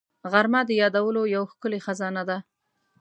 غرمه د یادونو یو ښکلې خزانه ده